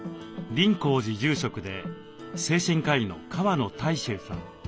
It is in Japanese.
林香寺住職で精神科医の川野泰周さん。